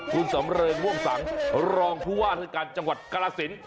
ทุนสำเริงม่วงสังรองทวาถกันจังหวัดกรสิน